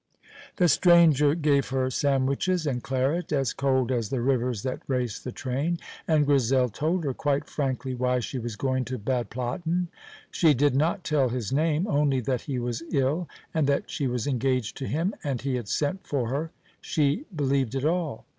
The stranger gave her sandwiches and claret as cold as the rivers that raced the train; and Grizel told her, quite frankly, why she was going to Bad Platten. She did not tell his name, only that he was ill, and that she was engaged to him, and he had sent for her. She believed it all.